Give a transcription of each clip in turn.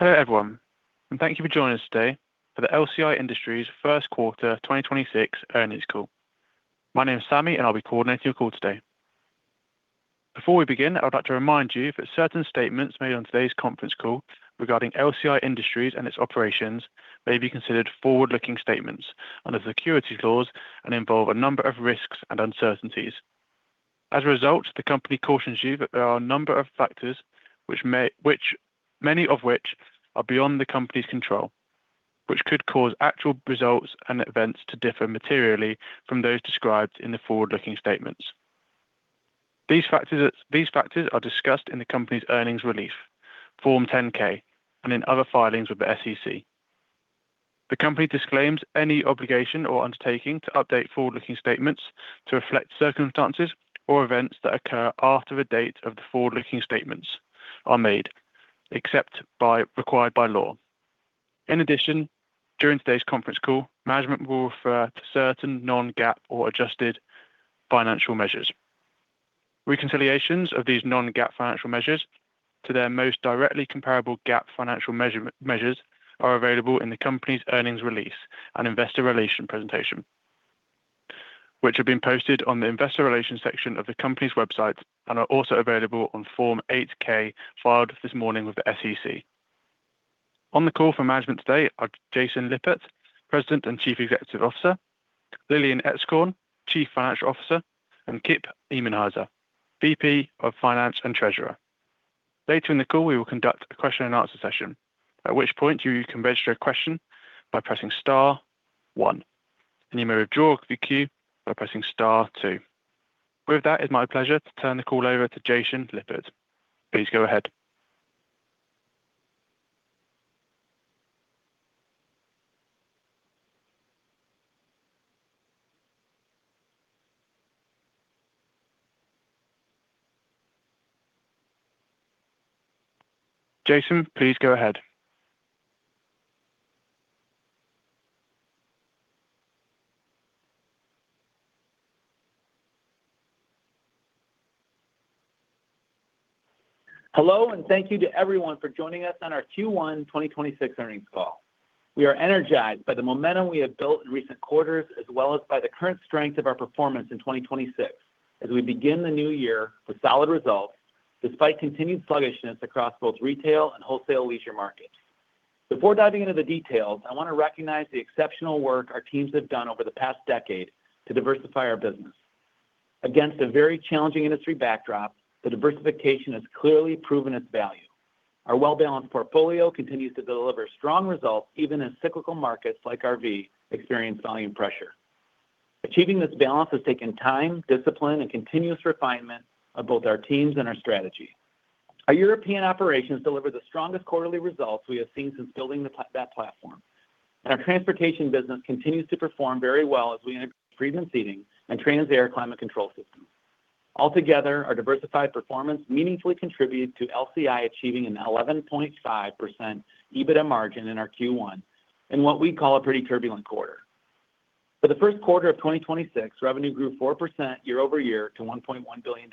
Hello, everyone, and thank you for joining us today for the LCI Industries first quarter 2026 earnings call. My name is Sammy, and I'll be coordinating your call today. Before we begin, I would like to remind you that certain statements made on today's conference call regarding LCI Industries and its operations may be considered forward-looking statements under the securities laws and involve a number of risks and uncertainties. As a result, the company cautions you that there are a number of factors, many of which are beyond the company's control, which could cause actual results and events to differ materially from those described in the forward-looking statements. These factors are discussed in the company's earnings release, Form 10-K, and in other filings with the SEC. The company disclaims any obligation or undertaking to update forward-looking statements to reflect circumstances or events that occur after the date of the forward-looking statements are made, except as required by law. In addition, during today's conference call, management will refer to certain non-GAAP or adjusted financial measures. Reconciliations of these non-GAAP financial measures to their most directly comparable GAAP financial measures are available in the company's earnings release and investor relations presentation, which have been posted on the investor relations section of the company's websites and are also available on Form 8-K filed this morning with the SEC. On the call for management today are Jason Lippert, President and Chief Executive Officer, Lillian Etzkorn, Chief Financial Officer, and Kip Emenhiser, VP of Finance and Treasurer. Later in the call, we will conduct a question and answer session, at which point you can register a question by pressing star one, and you may withdraw the queue by pressing star two. With that, it's my pleasure to turn the call over to Jason Lippert. Please go ahead. Jason, please go ahead. Hello, thank you to everyone for joining us on our Q1 2026 earnings call. We are energized by the momentum we have built in recent quarters as well as by the current strength of our performance in 2026 as we begin the new year with solid results despite continued sluggishness across both retail and wholesale leisure markets. Before diving into the details, I want to recognize the exceptional work our teams have done over the past decade to diversify our business. Against a very challenging industry backdrop, the diversification has clearly proven its value. Our well-balanced portfolio continues to deliver strong results even in cyclical markets like RV experience volume pressure. Achieving this balance has taken time, discipline, and continuous refinement of both our teams and our strategy. Our European operations deliver the strongest quarterly results we have seen since building that platform. Our transportation business continues to perform very well as we integrate Freedman Seating and Trans/Air Climate Control systems. Altogether, our diversified performance meaningfully contributed to LCI achieving an 11.5% EBITDA margin in our Q1 in what we call a pretty turbulent quarter. For the first quarter of 2026, revenue grew 4% year-over-year to $1.1 billion.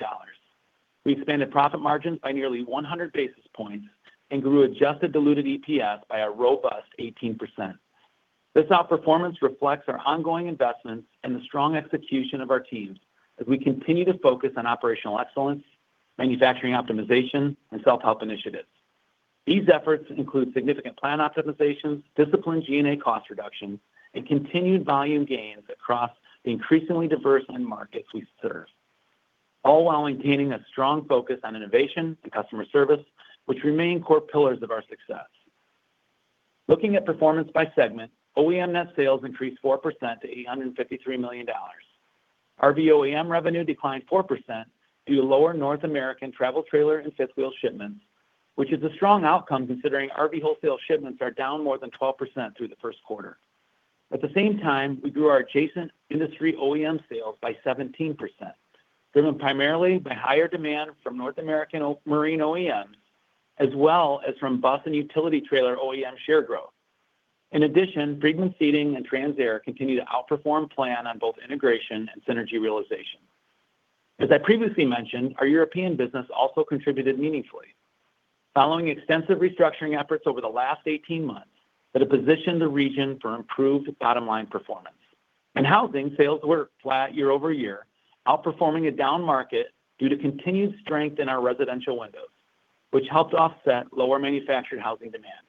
We expanded profit margins by nearly 100 basis points and grew adjusted diluted EPS by a robust 18%. This outperformance reflects our ongoing investments and the strong execution of our teams as we continue to focus on operational excellence, manufacturing optimization, and self-help initiatives. These efforts include significant plan optimizations, disciplined G&A cost reductions, and continued volume gains across the increasingly diverse end markets we serve, all while maintaining a strong focus on innovation and customer service, which remain core pillars of our success. Looking at performance by segment, OEM net sales increased 4% to $853 million. RV OEM revenue declined 4% due to lower North American travel trailer and fifth wheel shipments, which is a strong outcome considering RV wholesale shipments are down more than 12% through the first quarter. At the same time, we grew our adjacent industry OEM sales by 17%, driven primarily by higher demand from North American Marine OEMs as well as from bus and utility trailer OEM share growth. In addition, Freedman Seating and Trans/Air continue to outperform plan on both integration and synergy realization. As I previously mentioned, our European business also contributed meaningfully following extensive restructuring efforts over the last 18 months that have positioned the region for improved bottom-line performance. In housing, sales were flat year-over-year, outperforming a down market due to continued strength in our residential windows, which helped offset lower manufactured housing demand.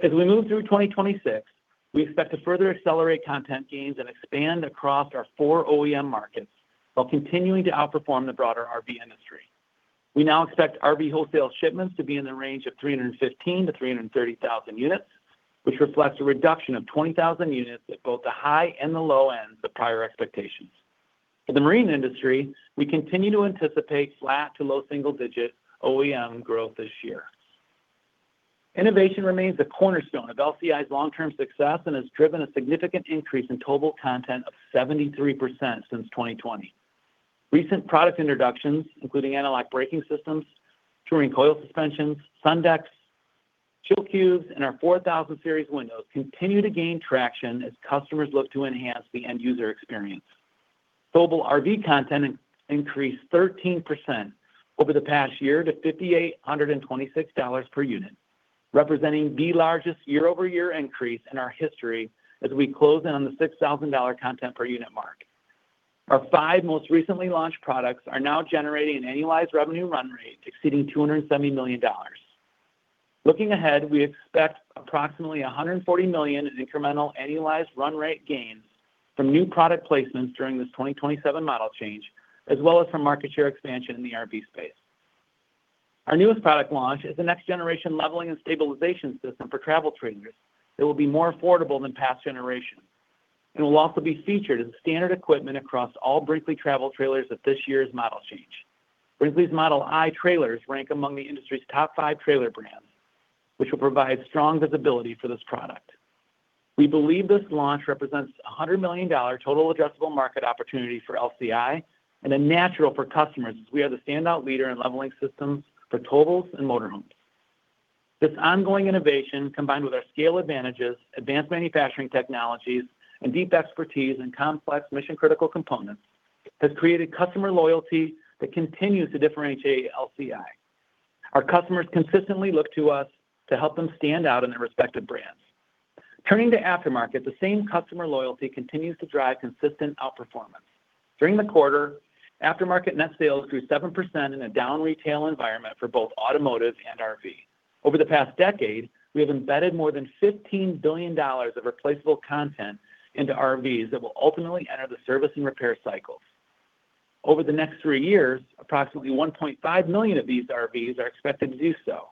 As we move through 2026, we expect to further accelerate content gains and expand across our 4 OEM markets while continuing to outperform the broader RV industry. We now expect RV wholesale shipments to be in the range of 315,000-330,000 units, which reflects a reduction of 20,000 units at both the high and the low ends of prior expectations. For the marine industry, we continue to anticipate flat to low single-digit OEM growth this year. Innovation remains the cornerstone of LCI's long-term success and has driven a significant increase in towable content of 73% since 2020. Recent product introductions, including anti-lock braking systems, Touring Coil Suspensions, Sun Decks, Chill Cubes, and our 4000 Series windows continue to gain traction as customers look to enhance the end user experience. Total RV content increased 13% over the past year to $5,826 per unit, representing the largest year-over-year increase in our history as we close in on the $6,000 content per unit mark. Our five most recently launched products are now generating an annualized revenue run rate exceeding $270 million. Looking ahead, we expect approximately $140 million in incremental annualized run rate gains from new product placements during this 2027 model change, as well as from market share expansion in the RV space. Our newest product launch is the next generation leveling and stabilization system for travel trailers that will be more affordable than past generations. It will also be featured as a standard equipment across all Brinkley travel trailers at this year's model change. Brinkley's Model I trailers rank among the industry's top 5 trailer brands, which will provide strong visibility for this product. We believe this launch represents a $100 million total adjustable market opportunity for LCI and a natural for customers, as we are the standout leader in leveling systems for towables and motorhomes. This ongoing innovation, combined with our scale advantages, advanced manufacturing technologies, and deep expertise in complex mission-critical components, has created customer loyalty that continues to differentiate LCI. Our customers consistently look to us to help them stand out in their respective brands. Turning to aftermarket, the same customer loyalty continues to drive consistent outperformance. During the quarter, aftermarket net sales grew 7% in a down retail environment for both automotive and RV. Over the past decade, we have embedded more than $15 billion of replaceable content into RVs that will ultimately enter the service and repair cycles. Over the next three years, approximately 1.5 million of these RVs are expected to do so,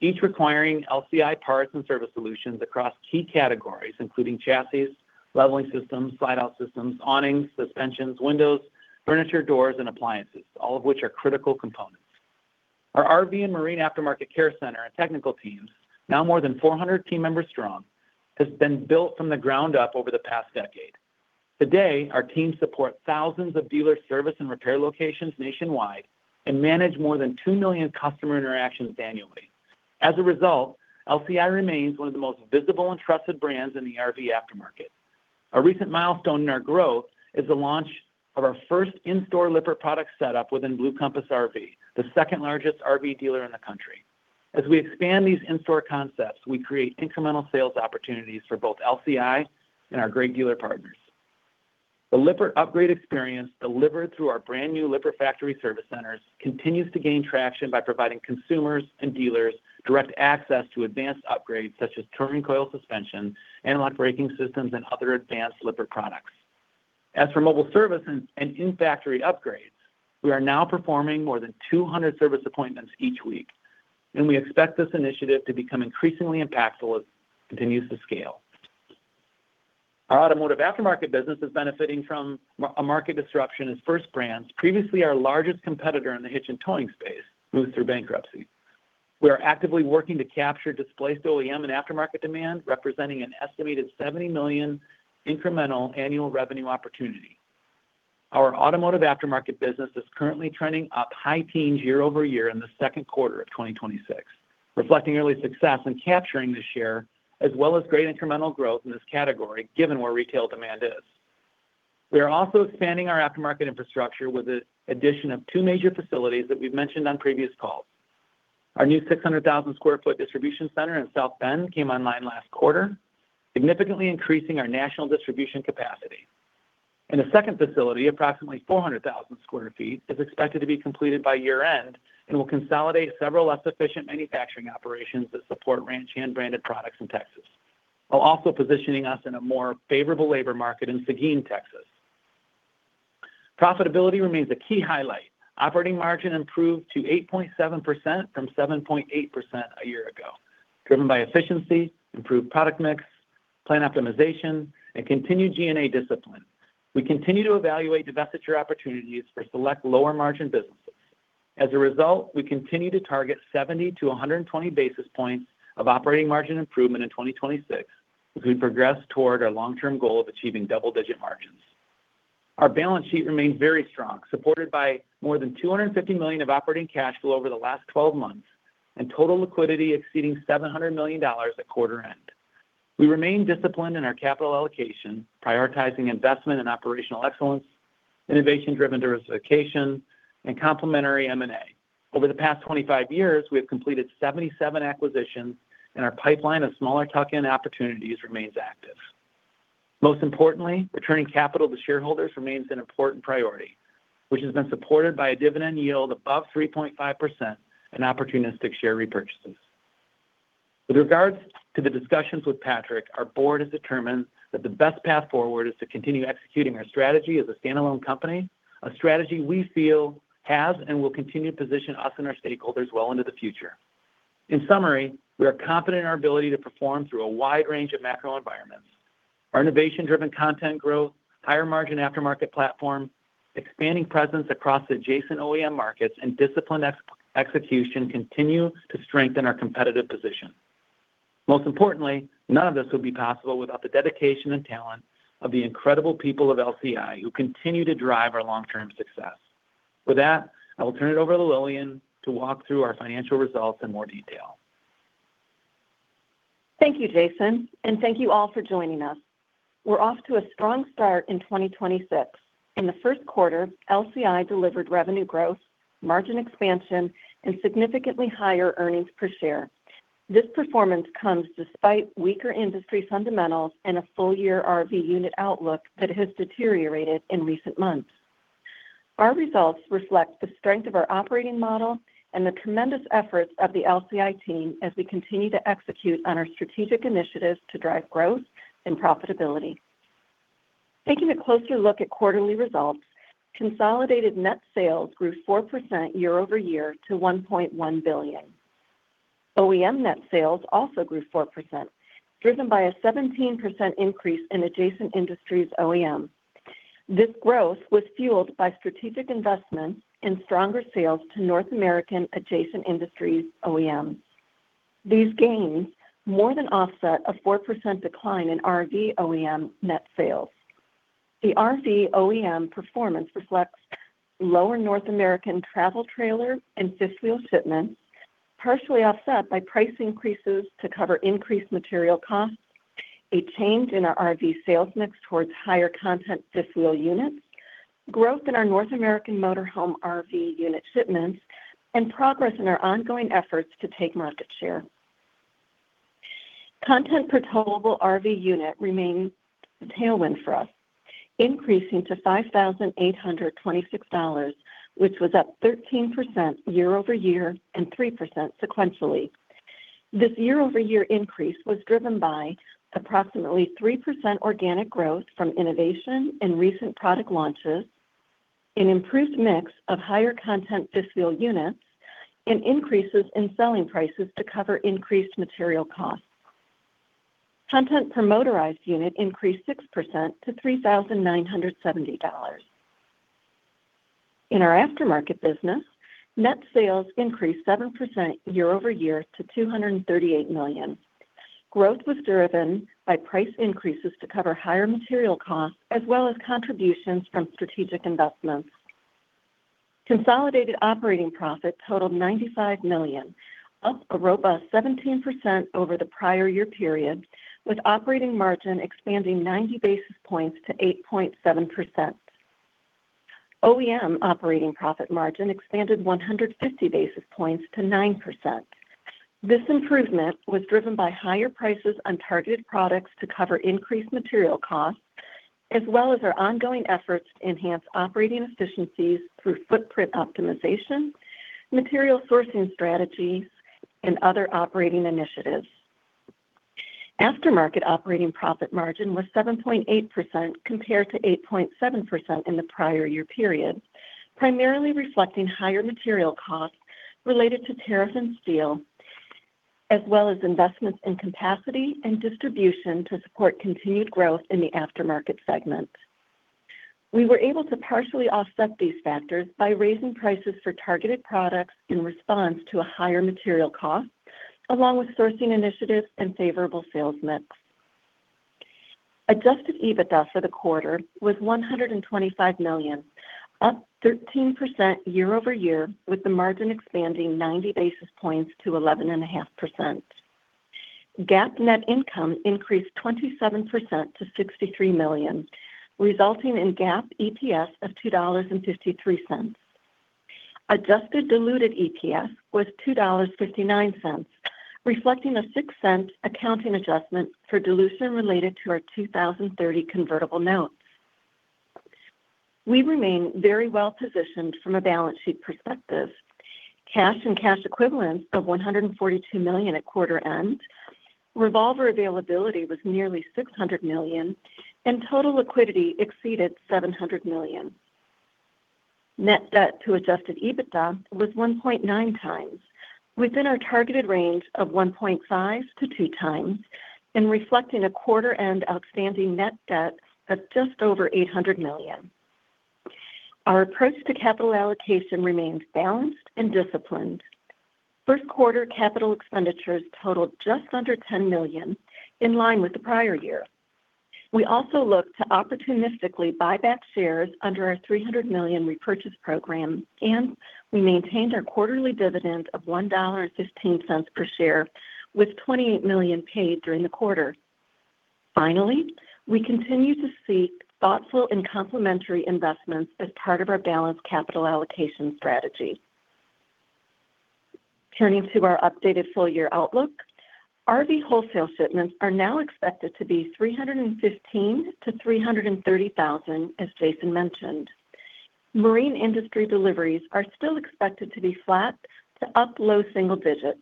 each requiring LCI parts and service solutions across key categories, including chassis, leveling systems, slide-out systems, awnings, suspensions, windows, furniture, doors, and appliances, all of which are critical components. Our RV and Marine Aftermarket Care Center and technical teams, now more than 400 team members strong, has been built from the ground up over the past decade. Today, our teams support thousands of dealer service and repair locations nationwide and manage more than two million customer interactions annually. As a result, LCI remains one of the most visible and trusted brands in the RV aftermarket. A recent milestone in our growth is the launch of our first in-store Lippert product setup within Blue Compass RV, the second-largest RV dealer in the country. As we expand these in-store concepts, we create incremental sales opportunities for both LCI and our great dealer partners. The Lippert upgrade experience delivered through our brand-new Lippert factory service centers continues to gain traction by providing consumers and dealers direct access to advanced upgrades such as Touring Coil Suspension, anti-lock braking systems, and other advanced Lippert products. As for mobile service and in-factory upgrades, we are now performing more than 200 service appointments each week, and we expect this initiative to become increasingly impactful as it continues to scale. Our automotive aftermarket business is benefiting from M&A market disruption as First Brands, previously our largest competitor in the hitch and towing space, moves through bankruptcy. We are actively working to capture displaced OEM and aftermarket demand, representing an estimated $70 million incremental annual revenue opportunity. Our automotive aftermarket business is currently trending up high teens year-over-year in the second quarter of 2026, reflecting early success in capturing this share, as well as great incremental growth in this category, given where retail demand is. We are also expanding our aftermarket infrastructure with the addition of two major facilities that we've mentioned on previous calls. Our new 600,000 square foot distribution center in South Bend came online last quarter, significantly increasing our national distribution capacity. A second facility, approximately 400,000 square feet, is expected to be completed by year-end and will consolidate several less efficient manufacturing operations that support Ranch Hand-branded products in Texas, while also positioning us in a more favorable labor market in Seguin, Texas. Profitability remains a key highlight. Operating margin improved to 8.7% from 7.8% a year ago, driven by efficiency, improved product mix, plan optimization, and continued G&A discipline. We continue to evaluate divestiture opportunities for select lower-margin businesses. As a result, we continue to target 70 to 120 basis points of operating margin improvement in 2026 as we progress toward our long-term goal of achieving double-digit margins. Our balance sheet remains very strong, supported by more than $250 million of operating cash flow over the last 12 months and total liquidity exceeding $700 million at quarter end. We remain disciplined in our capital allocation, prioritizing investment in operational excellence, innovation-driven diversification, and complementary M&A. Over the past 25 years, we have completed 77 acquisitions, and our pipeline of smaller tuck-in opportunities remains active. Most importantly, returning capital to shareholders remains an important priority, which has been supported by a dividend yield above 3.5% and opportunistic share repurchases. With regards to the discussions with Patrick, our board has determined that the best path forward is to continue executing our strategy as a standalone company, a strategy we feel has and will continue to position us and our stakeholders well into the future. In summary, we are confident in our ability to perform through a wide range of macro environments. Our innovation-driven content growth, higher margin aftermarket platform, expanding presence across adjacent OEM markets, and disciplined execution continue to strengthen our competitive position. Most importantly, none of this would be possible without the dedication and talent of the incredible people of LCI, who continue to drive our long-term success. With that, I will turn it over to Lillian to walk through our financial results in more detail. Thank you, Jason, and thank you all for joining us. We're off to a strong start in 2026. In the first quarter, LCI delivered revenue growth, margin expansion, and significantly higher earnings per share. This performance comes despite weaker industry fundamentals and a full-year RV unit outlook that has deteriorated in recent months. Our results reflect the strength of our operating model and the tremendous efforts of the LCI team as we continue to execute on our strategic initiatives to drive growth and profitability. Taking a closer look at quarterly results, consolidated net sales grew 4% year-over-year to $1.1 billion. OEM net sales also grew 4%, driven by a 17% increase in adjacent industries OEM. This growth was fueled by strategic investments and stronger sales to North American adjacent industries OEM. These gains more than offset a 4% decline in RV OEM net sales. The RV OEM performance reflects lower North American travel trailer and fifth wheel shipments, partially offset by price increases to cover increased material costs, a change in our RV sales mix towards higher content fifth wheel units, growth in our North American motorhome RV unit shipments, and progress in our ongoing efforts to take market share. Content per towable RV unit remains a tailwind for us, increasing to $5,826, which was up 13% year-over-year and 3% sequentially. This year-over-year increase was driven by approximately 3% organic growth from innovation and recent product launches, an improved mix of higher content fifth wheel units, and increases in selling prices to cover increased material costs. Content per motorized unit increased 6% to $3,970. In our aftermarket business, net sales increased 7% year-over-year to $238 million. Growth was driven by price increases to cover higher material costs, as well as contributions from strategic investments. Consolidated operating profit totaled $95 million, up a robust 17% over the prior year period, with operating margin expanding 90 basis points to 8.7%. OEM operating profit margin expanded 150 basis points to 9%. This improvement was driven by higher prices on targeted products to cover increased material costs, as well as our ongoing efforts to enhance operating efficiencies through footprint optimization, material sourcing strategies, and other operating initiatives. Aftermarket operating profit margin was 7.8% compared to 8.7% in the prior year period, primarily reflecting higher material costs related to tariff and steel, as well as investments in capacity and distribution to support continued growth in the aftermarket segment. We were able to partially offset these factors by raising prices for targeted products in response to a higher material cost, along with sourcing initiatives and favorable sales mix. Adjusted EBITDA for the quarter was $125 million, up 13% year-over-year, with the margin expanding 90 basis points to 11.5%. GAAP net income increased 27% to $63 million, resulting in GAAP EPS of $2.53. Adjusted diluted EPS was $2.59, reflecting a $0.06 accounting adjustment for dilution related to our 2030 convertible notes. We remain very well-positioned from a balance sheet perspective. Cash and cash equivalents of $142 million at quarter end. Revolver availability was nearly $600 million, and total liquidity exceeded $700 million. Net debt to Adjusted EBITDA was 1.9x, within our targeted range of 1.5x-2x and reflecting a quarter end outstanding net debt of just over $800 million. Our approach to capital allocation remains balanced and disciplined. First quarter capital expenditures totaled just under $10 million, in line with the prior year. We also look to opportunistically buy back shares under our $300 million repurchase program, and we maintained our quarterly dividend of $1.15 per share, with $28 million paid during the quarter. Finally, we continue to seek thoughtful and complementary investments as part of our balanced capital allocation strategy. Turning to our updated full-year outlook, RV wholesale shipments are now expected to be 315,000-330,000, as Jason mentioned. Marine industry deliveries are still expected to be flat to up low single digits.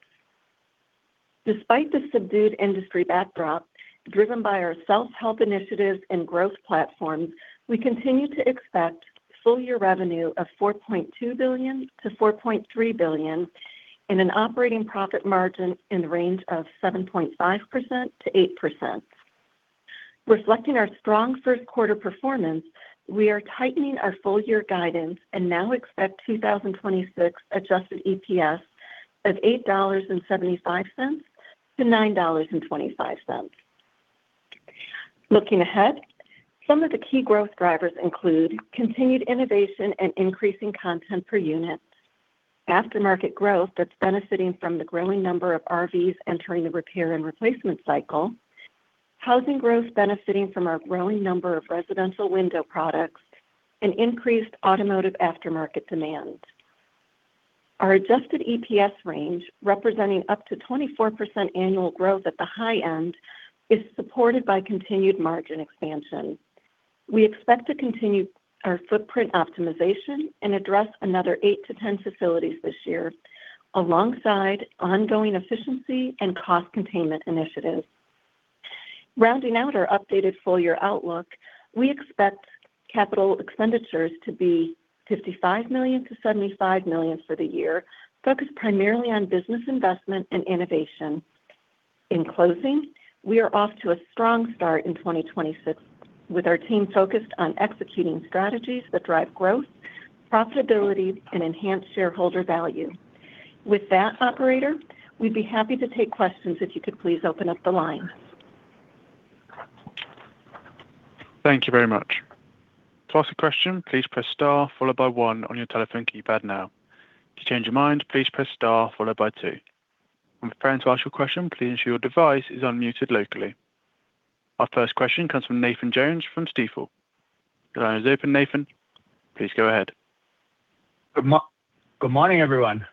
Despite the subdued industry backdrop, driven by our self-help initiatives and growth platforms, we continue to expect full-year revenue of $4.2 billion-$4.3 billion and an operating profit margin in the range of 7.5%-8%. Reflecting our strong first quarter performance, we are tightening our full-year guidance and now expect 2026 adjusted EPS of $8.75-$9.25. Looking ahead, some of the key growth drivers include continued innovation and increasing content per unit. Aftermarket growth that's benefiting from the growing number of RVs entering the repair and replacement cycle. Housing growth benefiting from our growing number of residential window products and increased automotive aftermarket demand. Our adjusted EPS range, representing up to 24% annual growth at the high end, is supported by continued margin expansion. We expect to continue our footprint optimization and address another eight to 10 facilities this year alongside ongoing efficiency and cost containment initiatives. Rounding out our updated full year outlook, we expect capital expenditures to be $55 million-$75 million for the year, focused primarily on business investment and innovation. In closing, we are off to a strong start in 2026 with our team focused on executing strategies that drive growth, profitability and enhanced shareholder value. With that operator, we'd be happy to take questions if you could please open up the line. Thank you very much. Our first question comes from Nathan Jones from Stifel. The line is open, Nathan. Please go ahead. Good morning, everyone.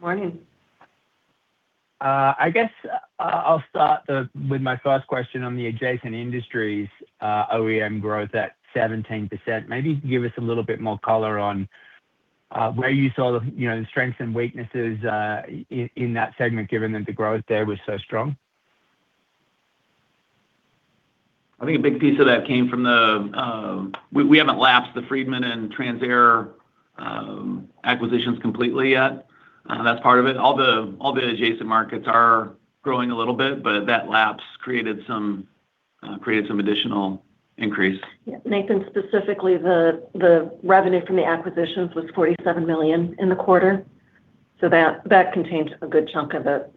Morning. I guess I'll start with my first question on the adjacent industries, OEM growth at 17%. Maybe give us a little bit more color on where you saw the, you know, the strengths and weaknesses in that segment, given that the growth there was so strong. I think a big piece of that came from the. We haven't lapsed the Freedman and Trans/Air acquisitions completely yet. That's part of it. All the adjacent markets are growing a little bit, that lapse created some, created some additional increase. Yeah, Nathan, specifically the revenue from the acquisitions was $47 million in the quarter, so that contains a good chunk of it.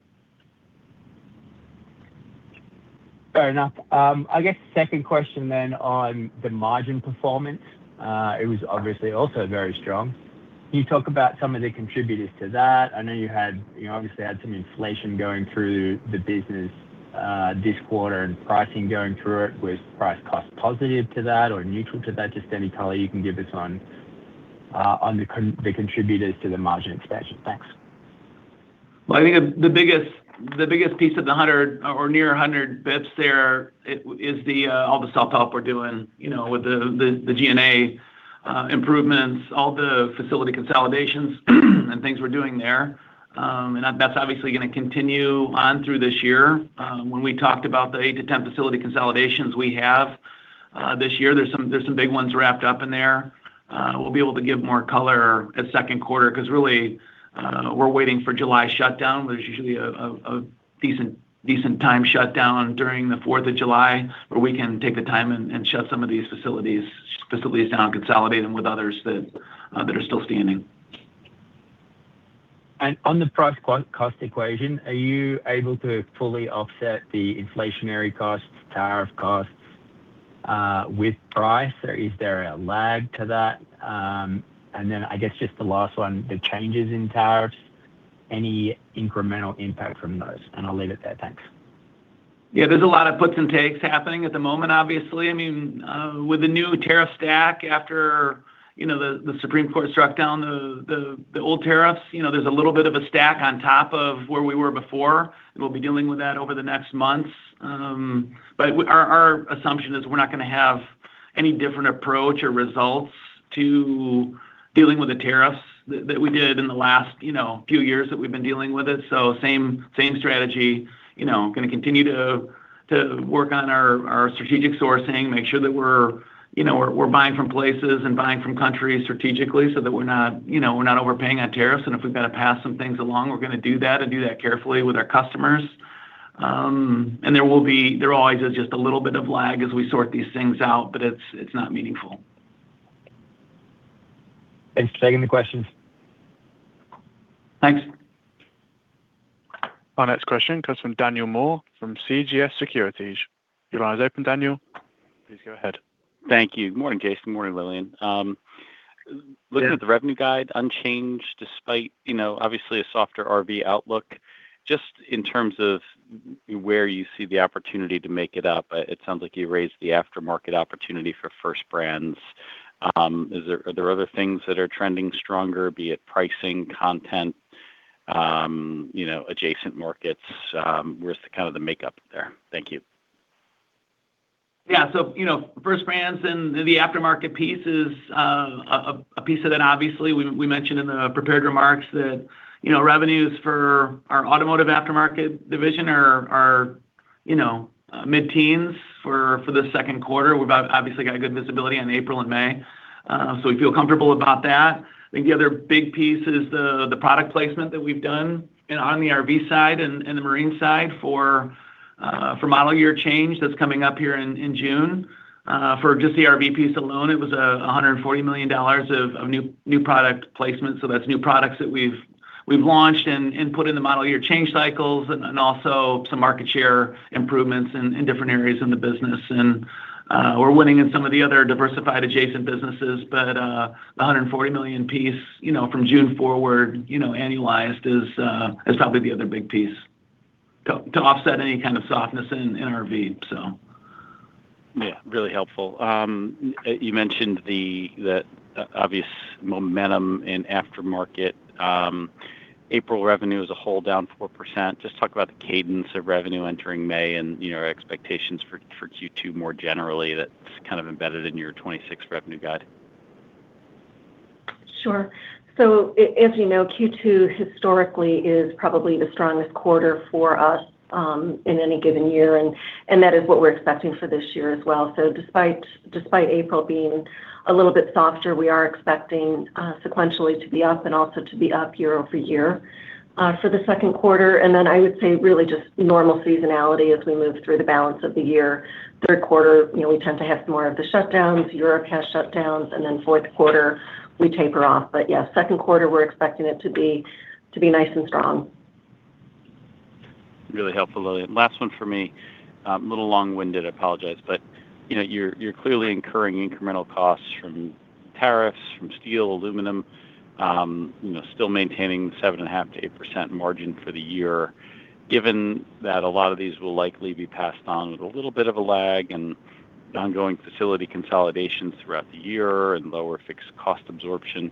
Fair enough. I guess second question on the margin performance, it was obviously also very strong. Can you talk about some of the contributors to that? I know you obviously had some inflation going through the business this quarter and pricing going through it. Was price cost positive to that or neutral to that? Just any color you can give us on the contributors to the margin expansion. Thanks. Well, I think the biggest piece of the 100 or near 100 bits there is the all the self-help we're doing, you know, with the G&A improvements, all the facility consolidations and things we're doing there. That's obviously gonna continue on through this year. When we talked about the eight to 10 facility consolidations we have this year, there's some big ones wrapped up in there. We'll be able to give more color at second quarter, 'cause really, we're waiting for July shutdown. There's usually a decent time shutdown during the Fourth of July where we can take the time and shut some of these facilities down and consolidate them with others that are still standing. On the price co-cost equation, are you able to fully offset the inflationary costs, tariff costs, with price, or is there a lag to that? I guess just the last one, the changes in tariffs, any incremental impact from those? I'll leave it there. Thanks. Yeah, there's a lot of puts and takes happening at the moment, obviously. I mean, with the new tariff stack after, you know, the Supreme Court struck down the old tariffs, you know, there's a little bit of a stack on top of where we were before. We'll be dealing with that over the next months. Our assumption is we're not gonna have any different approach or results to dealing with the tariffs that we did in the last, you know, few years that we've been dealing with it. Same strategy. You know, gonna continue to work on our strategic sourcing, make sure that we're buying from places and buying from countries strategically so that we're not overpaying on tariffs. If we've got to pass some things along, we're gonna do that and do that carefully with our customers. There always is just a little bit of lag as we sort these things out, but it's not meaningful. Thanks for taking the questions. Thanks. Our next question comes from Daniel Moore from CJS Securities. Your line is open, Daniel. Please go ahead. Thank you. Morning, Jason. Morning, Lillian. Yeah. Looking at the revenue guide unchanged despite, you know, obviously a softer RV outlook. Just in terms of where you see the opportunity to make it up, it sounds like you raised the aftermarket opportunity for First Brands. Are there other things that are trending stronger, be it pricing, content, you know, adjacent markets? Where's the kind of the makeup there? Thank you. You know, First Brands and the aftermarket piece is a piece of it, obviously. We mentioned in the prepared remarks that, you know, revenues for our automotive aftermarket division are, you know, mid-teens% for the second quarter. We've obviously got good visibility on April and May, we feel comfortable about that. I think the other big piece is the product placement that we've done. On the RV side and the marine side for model year change that's coming up here in June. For just the RV piece alone, it was $140 million of new product placement. That's new products that we've launched and put in the model year change cycles and also some market share improvements in different areas in the business. We're winning in some of the other diversified adjacent businesses, but the $140 million piece, you know, from June forward, you know, annualized is probably the other big piece to offset any kind of softness in RV. Really helpful. You mentioned the obvious momentum in aftermarket. April revenue as a whole down 4%. Just talk about the cadence of revenue entering May and, you know, expectations for Q2 more generally that's kind of embedded in your 2026 revenue guide. Sure. As you know, Q2 historically is probably the strongest quarter for us in any given year, and that is what we're expecting for this year as well. Despite April being a little bit softer, we are expecting sequentially to be up and also to be up year-over-year for the second quarter. I would say really just normal seasonality as we move through the balance of the year. Third quarter, you know, we tend to have more of the shutdowns, Europe has shutdowns, fourth quarter we taper off. Yeah, second quarter, we're expecting it to be nice and strong. Really helpful, Lillian. Last one for me. A little long-winded, I apologize. You know, you're clearly incurring incremental costs from tariffs, from steel, aluminum, you know, still maintaining 7.5%-8% margin for the year. Given that a lot of these will likely be passed on with a little bit of a lag and ongoing facility consolidations throughout the year and lower fixed cost absorption,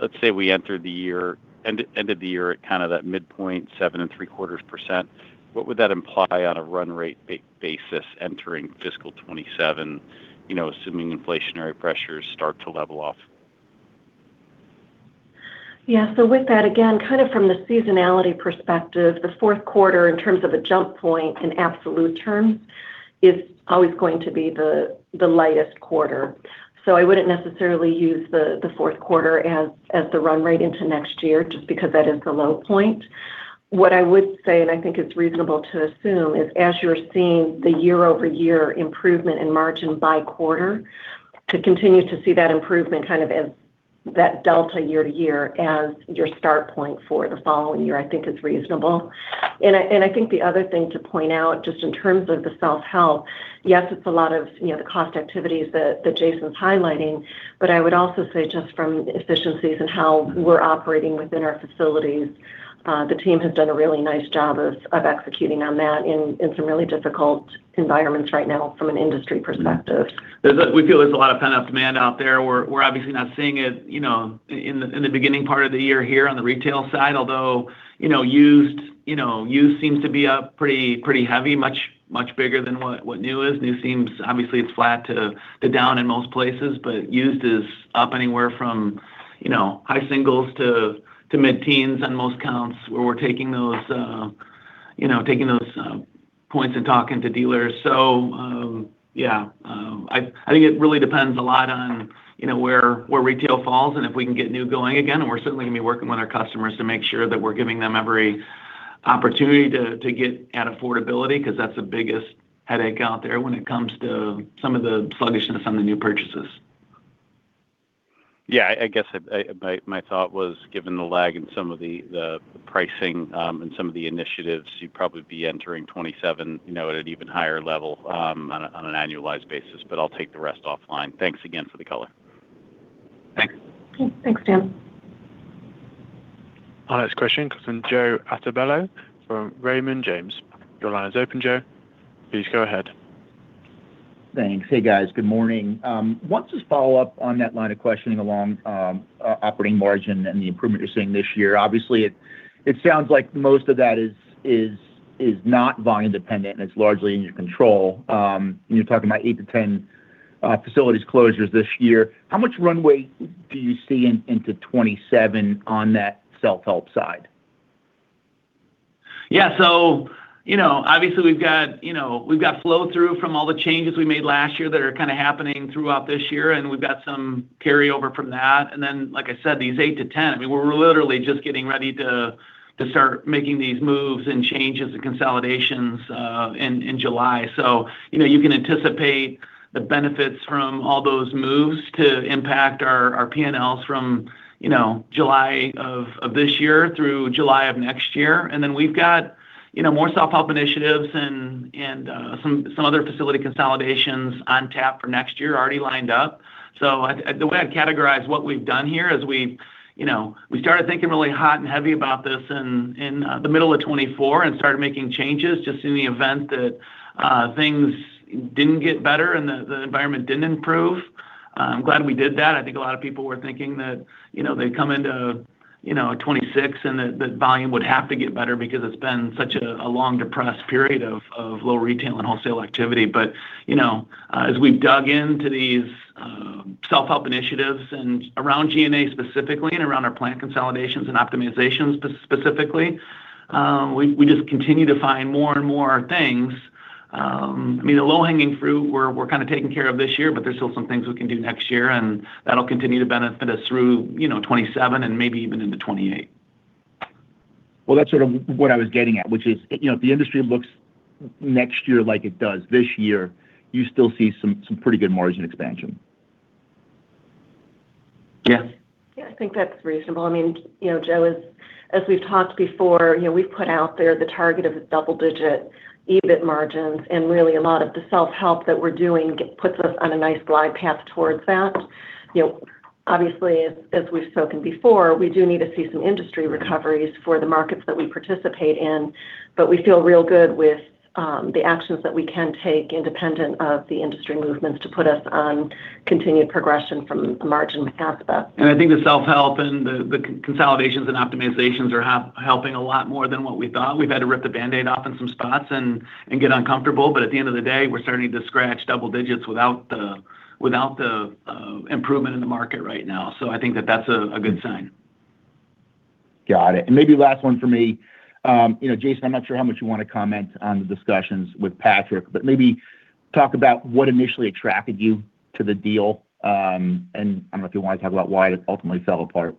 let's say we enter the year end, ended the year at kind of that midpoint, 7.75%, what would that imply on a run rate basis entering fiscal 2027, you know, assuming inflationary pressures start to level off? Yeah. With that, again, kind of from the seasonality perspective, the fourth quarter in terms of a jump point in absolute terms is always going to be the lightest quarter. I wouldn't necessarily use the fourth quarter as the run rate into next year just because that is the low point. What I would say, and I think it's reasonable to assume, is as you're seeing the year-over-year improvement in margin by quarter, to continue to see that improvement kind of as that delta year-to-year as your start point for the following year, I think is reasonable. I think the other thing to point out just in terms of the self-help, yes, it's a lot of, you know, the cost activities that Jason's highlighting, but I would also say just from efficiencies and how we're operating within our facilities, the team has done a really nice job of executing on that in some really difficult environments right now from an industry perspective. There's we feel there's a lot of pent-up demand out there. We're obviously not seeing it, you know, in the beginning part of the year here on the retail side, although, you know, used, you know, used seems to be up pretty heavy, much bigger than what new is. New obviously, it's flat to down in most places, but used is up anywhere from, you know, high singles to mid-teens on most counts where we're taking those, you know, taking those points and talking to dealers. Yeah, I think it really depends a lot on, you know, where retail falls and if we can get new going again. We're certainly gonna be working with our customers to make sure that we're giving them every opportunity to get at affordability, 'cause that's the biggest headache out there when it comes to some of the sluggishness on the new purchases. Yeah. I guess I, my thought was given the lag in some of the pricing, and some of the initiatives, you'd probably be entering 2027, you know, at an even higher level, on an annualized basis. I'll take the rest offline. Thanks again for the color. Thanks. Thanks, Dan. Our next question comes from Joseph Altobello from Raymond James. Your line is open, Joe. Please go ahead. Thanks. Hey, guys. Good morning. Want to just follow up on that line of questioning along operating margin and the improvement you're seeing this year. Obviously, it sounds like most of that is not volume dependent and it's largely in your control. You're talking about eight to 10 facilities closures this year. How much runway do you see into 2027 on that self-help side? Yeah. Obviously we've got, you know, we've got flow-through from all the changes we made last year that are kinda happening throughout this year, and we've got some carryover from that. Like I said, these eight to 10, I mean, we're literally just getting ready to start making these moves and changes and consolidations in July. You know, you can anticipate the benefits from all those moves to impact our P&Ls from, you know, July of this year through July of next year. We've got, you know, more self-help initiatives and other facility consolidations on tap for next year already lined up. The way I'd categorize what we've done here is we've, you know, we started thinking really hot and heavy about this in the middle of 2024 and started making changes just in the event that things didn't get better and the environment didn't improve. I'm glad we did that. I think a lot of people were thinking that, you know, they'd come into, you know, 2026 and that volume would have to get better because it's been such a long depressed period of low retail and wholesale activity. As we've dug into these self-help initiatives and around G&A specifically and around our plant consolidations and optimizations specifically, we just continue to find more and more things. I mean, the low-hanging fruit we're kinda taking care of this year. There's still some things we can do next year and that'll continue to benefit us through, you know, 2027 and maybe even into 2028. Well, that's sort of what I was getting at, which is, you know, if the industry looks next year like it does this year, you still see some pretty good margin expansion. Yeah. Yeah, I think that's reasonable. I mean, you know, Joe, as we've talked before, you know, we've put out there the target of a double-digit EBIT margins. Really, a lot of the self-help that we're doing puts us on a nice glide path towards that. You know, obviously as we've spoken before, we do need to see some industry recoveries for the markets that we participate in. We feel real good with the actions that we can take independent of the industry movements to put us on continued progression from a margin aspect. I think the self-help and the consolidations and optimizations are helping a lot more than what we thought. We've had to rip the Band-Aid off in some spots and get uncomfortable, but at the end of the day, we're starting to scratch double digits without the, without the improvement in the market right now. I think that that's a good sign. Got it. Maybe last one from me. You know, Jason, I'm not sure how much you wanna comment on the discussions with Patrick, but maybe talk about what initially attracted you to the deal. I don't know if you wanna talk about why it ultimately fell apart.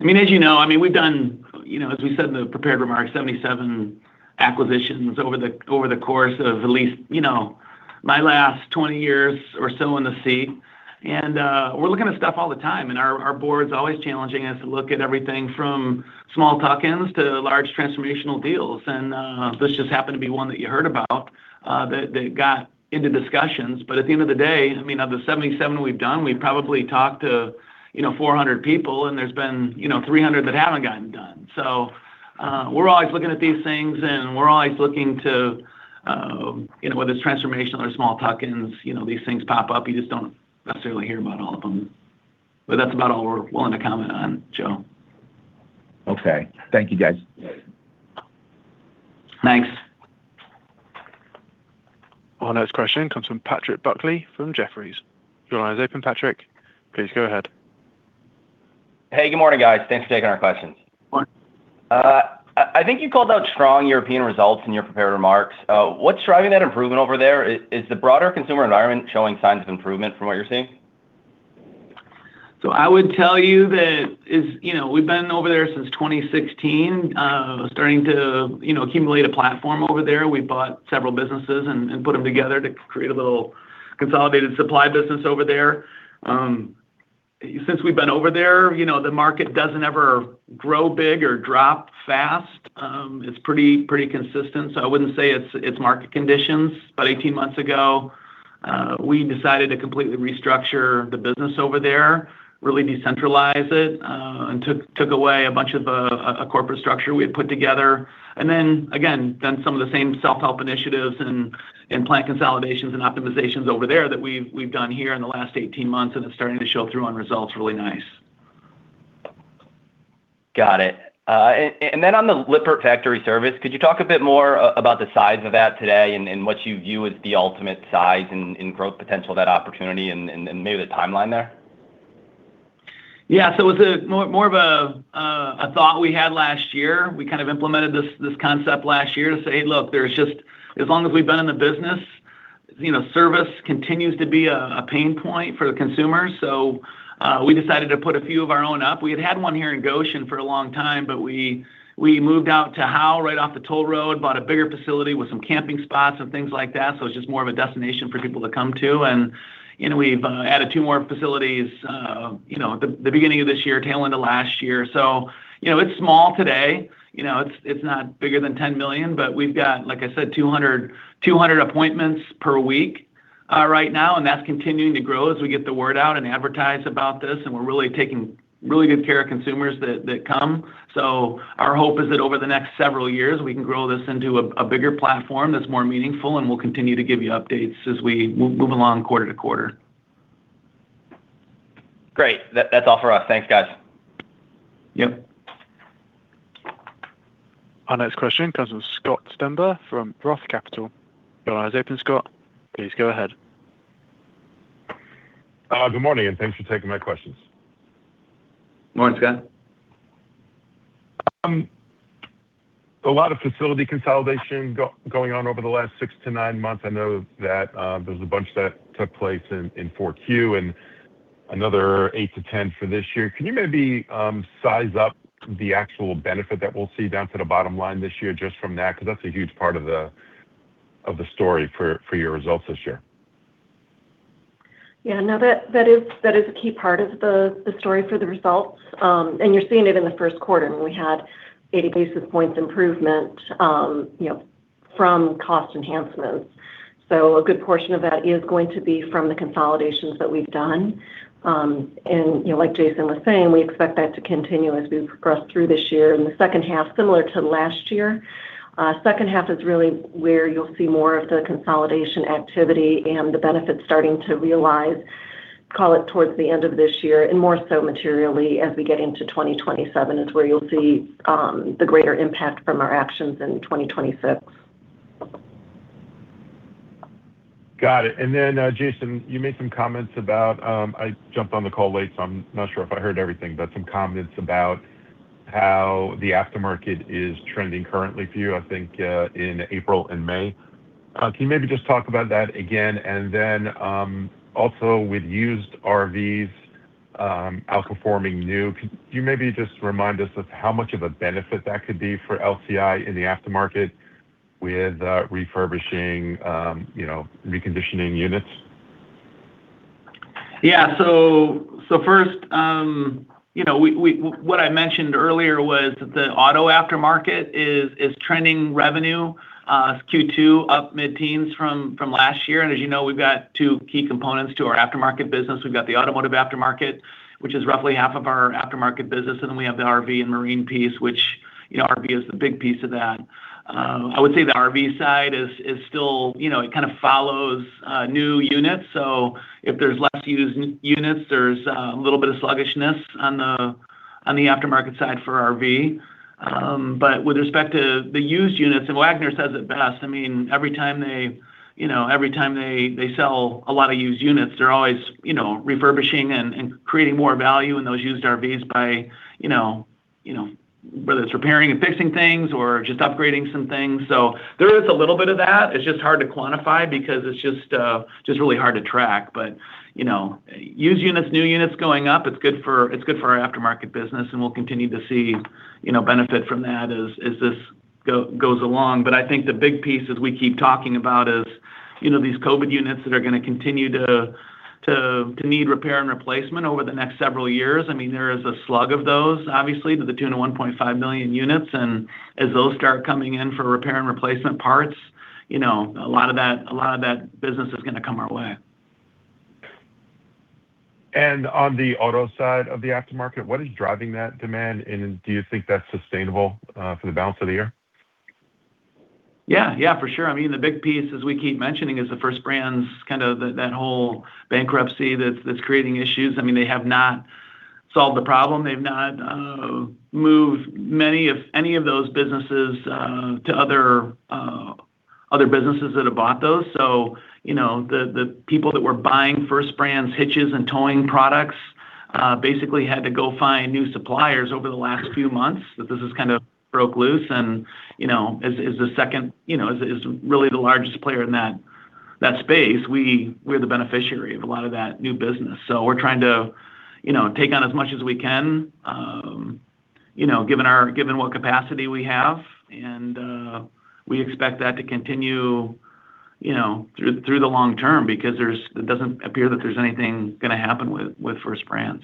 As we said in the prepared remarks, 77 acquisitions over the course of at least my last 20 years or so in the seat. We're looking at stuff all the time, and our board's always challenging us to look at everything from small tuck-ins to large transformational deals. This just happened to be one that you heard about that got into discussions. At the end of the day, of the 77 we've done, we've probably talked to 400 people, and there's been 300 that haven't gotten done. We're always looking at these things, and we're always looking to whether it's transformational or small tuck-ins, these things pop up. You just don't necessarily hear about all of them. That's about all we're willing to comment on, Joe. Okay. Thank you, guys. Thanks. Our next question comes from Patrick Buckley from Jefferies. Your line is open, Patrick. Please go ahead. Hey, good morning, guys. Thanks for taking our questions. Morning. I think you called out strong European results in your prepared remarks. What's driving that improvement over there? Is the broader consumer environment showing signs of improvement from what you're seeing? I would tell you that, you know, we've been over there since 2016, starting to, you know, accumulate a platform over there. We bought several businesses and put them together to create a little consolidated supply business over there. Since we've been over there, you know, the market doesn't ever grow big or drop fast. It's pretty consistent, so I wouldn't say it's market conditions. About 18 months ago, we decided to completely restructure the business over there, really decentralize it, and took away a bunch of a corporate structure we had put together. Again, done some of the same self-help initiatives and plant consolidations and optimizations over there that we've done here in the last 18 months, and it's starting to show through on results really nice. Got it. On the Lippert factory service, could you talk a bit more about the size of that today and what you view as the ultimate size and growth potential of that opportunity and maybe the timeline there? Yeah. It's more of a thought we had last year. We kind of implemented this concept last year to say, "Look, there's just As long as we've been in the business, you know, service continues to be a pain point for the consumer." We decided to put a few of our own up. We had one here in Goshen for a long time, but we moved out to Howe right off the toll road, bought a bigger facility with some camping spots and things like that, so it's just more of a destination for people to come to. You know, we've added two more facilities, you know, at the beginning of this year, tail end of last year. You know, it's small today. You know, it's not bigger than $10 million, we've got, like I said, 200 appointments per week, right now, that's continuing to grow as we get the word out and advertise about this, we're really taking really good care of consumers that come. Our hope is that over the next several years, we can grow this into a bigger platform that's more meaningful, we'll continue to give you updates as we move along quarter to quarter. Great. That's all for us. Thanks, guys. Yep. Our next question comes from Scott Stember from Roth Capital. Your line is open, Scott. Please go ahead. Good morning, thanks for taking my questions. Morning, Scott. A lot of facility consolidation going on over the last six to nine months. I know that there's a bunch that took place in 4Q and another eight to 10 for this year. Can you maybe size up the actual benefit that we'll see down to the bottom line this year just from that? Because that's a huge part of the story for your results this year. Yeah. No. That, that is, that is a key part of the story for the results. You're seeing it in the first quarter when we had 80 basis points improvement, you know, from cost enhancements. A good portion of that is going to be from the consolidations that we've done. You know, like Jason was saying, we expect that to continue as we progress through this year. In the second half, similar to last year, second half is really where you'll see more of the consolidation activity and the benefits starting to realize, call it towards the end of this year, and more so materially as we get into 2027 is where you'll see the greater impact from our actions in 2026. Got it. Jason, you made some comments about, I jumped on the call late, so I'm not sure if I heard everything, but some comments about how the aftermarket is trending currently for you, I think, in April and May. Can you maybe just talk about that again? Also with used RVs, outcome forming new. Could you maybe just remind us of how much of a benefit that could be for LCI in the aftermarket with, refurbishing, you know, reconditioning units? First, you know, what I mentioned earlier was the auto aftermarket is trending revenue, Q2 up mid-teens from last year. As you know, we've got two key components to our aftermarket business. We've got the automotive aftermarket, which is roughly half of our aftermarket business, and then we have the RV and marine piece, which, you know, RV is the big piece of that. I would say the RV side is still, you know, it kind of follows new units. If there's less used units, there's a little bit of sluggishness on the aftermarket side for RV. With respect to the used units, and Wagner says it best, I mean, every time they, you know, every time they sell a lot of used units, they're always, you know, refurbishing and creating more value in those used RVs by, you know, whether it's repairing and fixing things or just upgrading some things. There is a little bit of that. It's just hard to quantify because it's just really hard to track. You know, used units, new units going up, it's good for our aftermarket business, and we'll continue to see, you know, benefit from that as this goes along. I think the big piece, as we keep talking about, is, you know, these COVID units that are going to continue to need repair and replacement over the next several years. I mean, there is a slug of those, obviously, to the tune of 1.5 million units. As those start coming in for repair and replacement parts, you know, a lot of that business is gonna come our way. On the auto side of the aftermarket, what is driving that demand, and do you think that's sustainable for the balance of the year? Yeah. Yeah, for sure. I mean, the big piece, as we keep mentioning, is the First Brands, kind of that whole bankruptcy that's creating issues. I mean, they have not solved the problem. They've not moved any of those businesses to other businesses that have bought those. You know, the people that were buying First Brands hitches and towing products basically had to go find new suppliers over the last few months that this has kind of broke loose. You know, as the second, you know, as really the largest player in that space, we're the beneficiary of a lot of that new business. We're trying to, you know, take on as much as we can, you know, given what capacity we have. We expect that to continue, you know, through the long term because it doesn't appear that there's anything gonna happen with First Brands.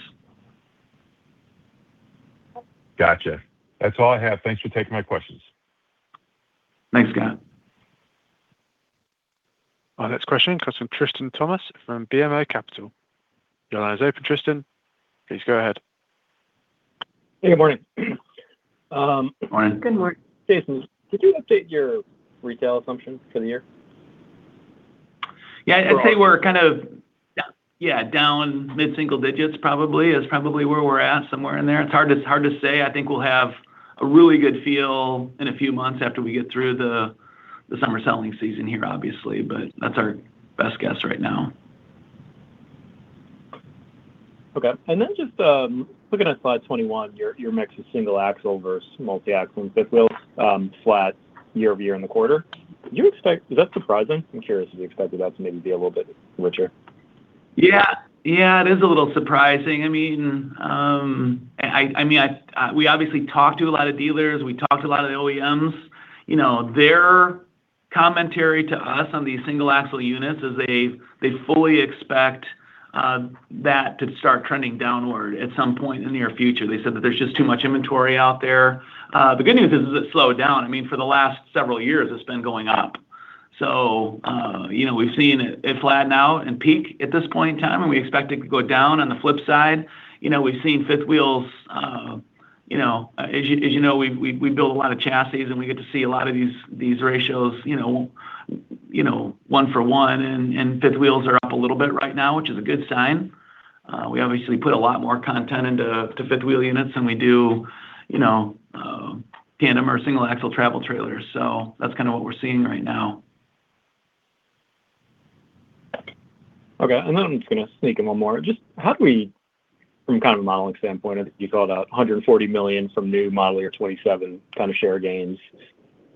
Gotcha. That's all I have. Thanks for taking my questions. Thanks, Scott. Our next question comes from Tristan Thomas from BMO Capital. Your line is open, Tristan. Please go ahead. Good morning. Good morning. Good morning. Jason, could you update your retail assumptions for the year? For all of them. Yeah. I'd say we're kind of down mid-single digits probably where we're at, somewhere in there. It's hard to say. I think we'll have a really good feel in a few months after we get through the summer selling season here, obviously, but that's our best guess right now. Okay. Just looking at slide 21, your mix of single axle versus multi-axle and fifth wheels, flat year-over-year in the quarter. Is that surprising? I'm curious if you expected that to maybe be a little bit richer. Yeah. Yeah. It is a little surprising. I mean, we obviously talk to a lot of dealers. We talk to a lot of the OEMs. You know, their commentary to us on these single axle units is they fully expect that to start trending downward at some point in the near future. They said that there's just too much inventory out there. The good news is it's slowed down. I mean, for the last several years, it's been going up. You know, we've seen it flatten out and peak at this point in time, and we expect it to go down. On the flip side, you know, we've seen fifth wheels, you know, as you know, we build a lot of chassis, and we get to see a lot of these ratios, you know, 1 for 1. Fifth wheels are up a little bit right now, which is a good sign. We obviously put a lot more content into, to fifth wheel units than we do, you know, tandem or single axle travel trailers. That's kinda what we're seeing right now. Okay. I'm just going to sneak in one more. Just how do we, from kind of a modeling standpoint, you called out $140 million from new model year 2027 kind of share gains?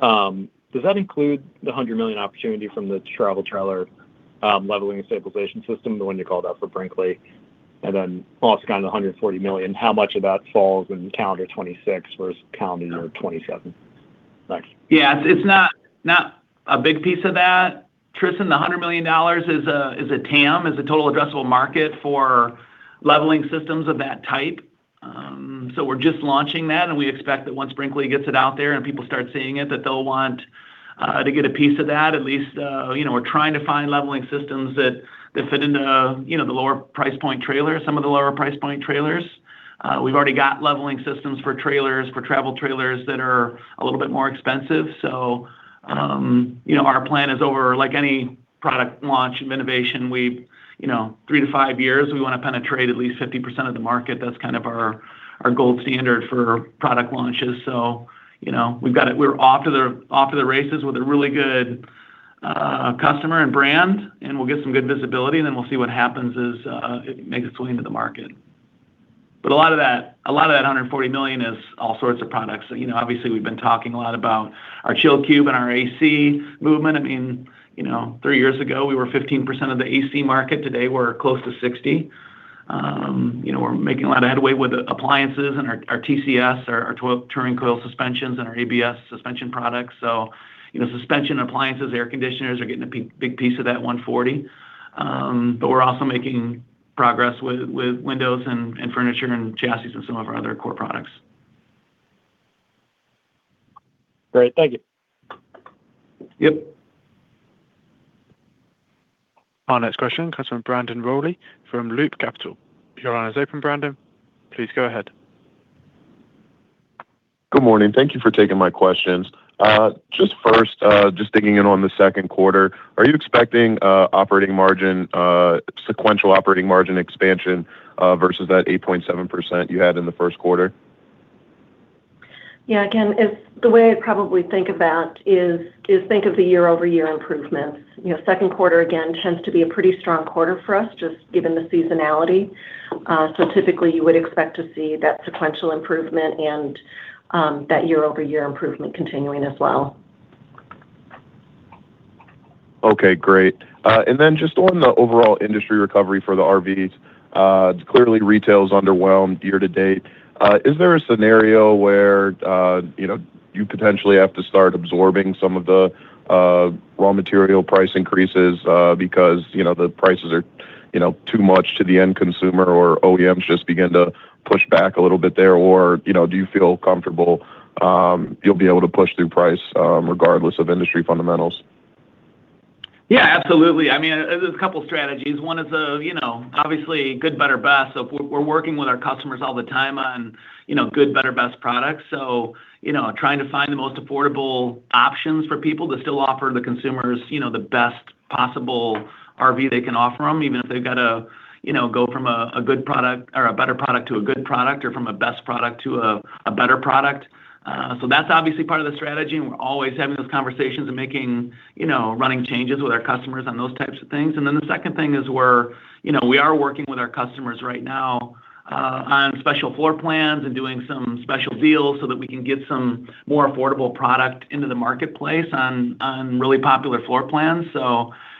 Does that include the $100 million opportunity from the travel trailer, leveling and stabilization system, the one you called out for Brinkley? Also kind of the $140 million, how much of that falls in calendar 2026 versus calendar year 2027? Thanks. Yeah. It's not a big piece of that. Tristan, the $100 million is a TAM, is a total addressable market for leveling systems of that type. We're just launching that, and we expect that once Brinkley gets it out there and people start seeing it, that they'll want to get a piece of that at least. You know, we're trying to find leveling systems that fit into, you know, the lower price point trailers, some of the lower price point trailers. We've already got leveling systems for trailers, for travel trailers that are a little bit more expensive. You know, our plan is over, like any product launch and innovation, we, you know, three to five years, we want to penetrate at least 50% of the market. That's kind of our gold standard for product launches. You know, we've got it. We're off to the races with a really good customer and brand, and we'll get some good visibility, and then we'll see what happens as it makes its way into the market. A lot of that, a lot of that $140 million is all sorts of products. You know, obviously, we've been talking a lot about our Chill Cube and our AC movement. I mean, you know, three years ago, we were 15% of the AC market. Today, we're close to 60%. You know, we're making a lot of headway with appliances and our TCS, our Touring Coil Suspensions and our ABS suspension products. You know, suspension, appliances, air conditioners are getting a big, big piece of that $140 million. We're also making progress with windows and furniture and chassis and some of our other core products. Great. Thank you. Yep. Our next question comes from Brandon Rolli from Loop Capital. Your line is open, Brandon. Please go ahead. Good morning. Thank you for taking my questions. Just first, just digging in on the second quarter, are you expecting operating margin, sequential operating margin expansion, versus that 8.7% you had in the first quarter? Yeah. Again, the way I'd probably think of that is, think of the year-over-year improvements. You know, second quarter, again, tends to be a pretty strong quarter for us, just given the seasonality. Typically, you would expect to see that sequential improvement and that year-over-year improvement continuing as well. Okay. Great. Just on the overall industry recovery for the RVs, clearly retail's underwhelmed year to date. Is there a scenario where, you know, you potentially have to start absorbing some of the raw material price increases, because, you know, the prices are, you know, too much to the end consumer, or OEMs just begin to push back a little bit there? You know, do you feel comfortable, you'll be able to push through price, regardless of industry fundamentals? Yeah, absolutely. I mean, there's a couple strategies. One is the, you know, obviously good, better, best. We're working with our customers all the time on, you know, good, better, best products. You know, trying to find the most affordable options for people to still offer the consumers, you know, the best possible RV they can offer them, even if they've got to, you know, go from a good product or a better product to a good product or from a best product to a better product. That's obviously part of the strategy, and we're always having those conversations and making, you know, running changes with our customers on those types of things. The second thing is we're, we are working with our customers right now on special floor plans and doing some special deals so that we can get some more affordable product into the marketplace on really popular floor plans.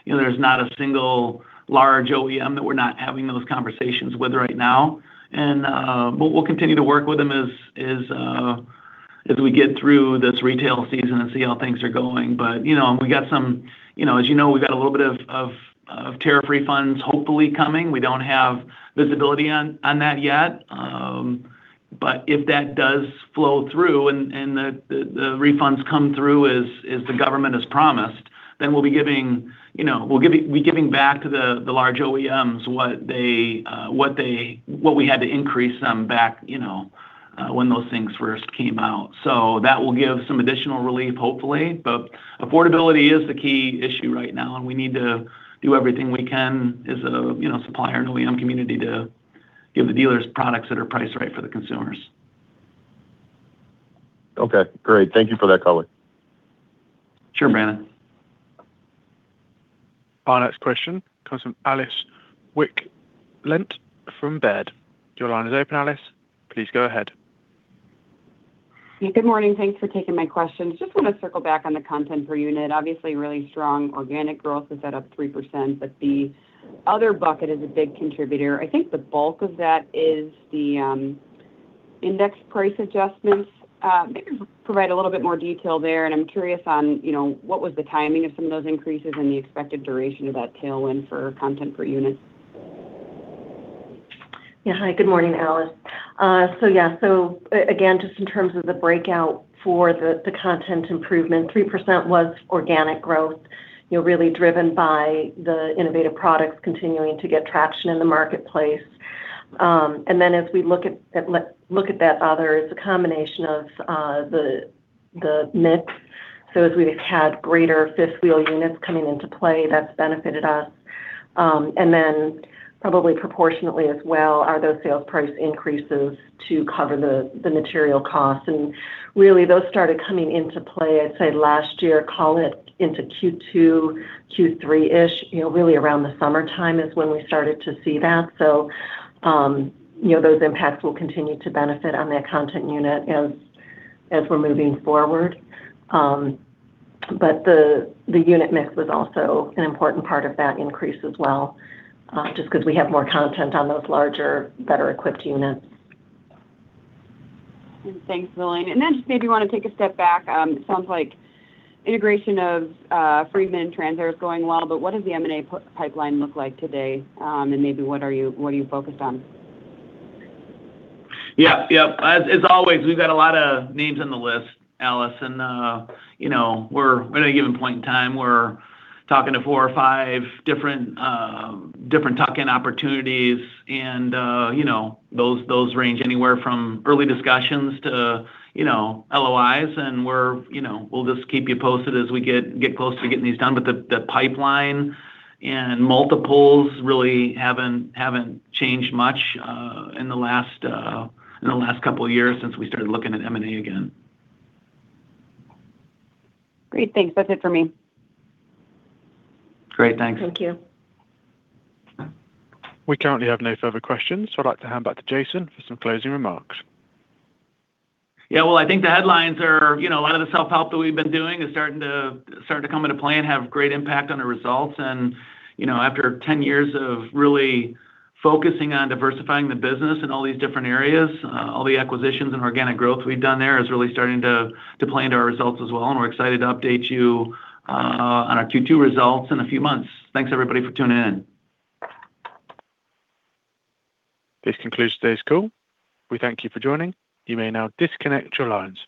There's not a single large OEM that we're not having those conversations with right now. We'll continue to work with them as we get through this retail season and see how things are going. We got some, we've got a little bit of tariff refunds hopefully coming. We don't have visibility on that yet. If that does flow through and the refunds come through as the government has promised, then we'll be giving, you know, we'll be giving back to the large OEMs what they, what we had to increase them back, you know, when those things first came out. That will give some additional relief, hopefully. Affordability is the key issue right now, and we need to do everything we can as a, you know, supplier and OEM community to give the dealers products that are priced right for the consumers. Okay. Great. Thank you for that color. Sure, Brandon. Our next question comes from Alice Wycklendt from Baird. Your line is open, Alice. Please go ahead. Good morning. Thanks for taking my questions. Just want to circle back on the content per unit. Obviously, really strong organic growth. Is that up 3%? The other bucket is a big contributor. I think the bulk of that is the index price adjustments. Maybe provide a little bit more detail there, and I'm curious on, you know, what was the timing of some of those increases and the expected duration of that tailwind for content per unit. Hi, good morning, Alice. Again, just in terms of the breakout for the content improvement, 3% was organic growth, you know, really driven by the innovative products continuing to get traction in the marketplace. As we look at that other, it's a combination of the mix. As we've had greater fifth wheel units coming into play, that's benefited us. Probably proportionately as well are those sales price increases to cover the material costs. Really, those started coming into play, I'd say, last year, call it into Q2, Q3-ish. You know, really around the summertime is when we started to see that. You know, those impacts will continue to benefit on the content unit as we're moving forward. The, the unit mix was also an important part of that increase as well, just 'cause we have more content on those larger, better equipped units. Thanks, Marlene. I want to take a step back. It sounds like integration of Freedman Trans/Air is going well, but what does the M&A pipeline look like today? What are you focused on? Yeah. Yep. As always, we've got a lot of names on the list, Alice Wycklint. You know, we're, at a given point in time, we're talking to four or five different tuck-in opportunities, you know, those range anywhere from early discussions to, you know, LOIs. You know, we'll just keep you posted as we get close to getting these done. The pipeline and multiples really haven't changed much in the last couple of years since we started looking at M&A again. Great. Thanks. That's it for me. Great. Thanks. Thank you. We currently have no further questions. I'd like to hand back to Jason for some closing remarks. Yeah. Well, I think the headlines are, you know, a lot of the self-help that we've been doing is starting to come into play and have great impact on the results. You know, after 10 years of really focusing on diversifying the business in all these different areas, all the acquisitions and organic growth we've done there is really starting to play into our results as well, and we're excited to update you on our Q2 results in a few months. Thanks everybody for tuning in. This concludes today's call. We thank you for joining. You may now disconnect your lines.